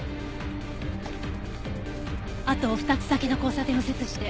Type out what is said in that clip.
あと２つ先の交差点右折して。